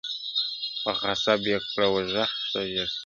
په غضب یې کړه ور ږغ چي ژر سه څه کړې.